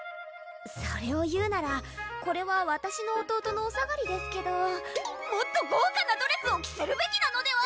それを言うならこれはわたしの弟のお下がりですけどもっと豪華なドレスを着せるべきなのでは？